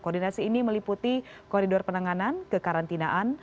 koordinasi ini meliputi koridor penanganan kekarantinaan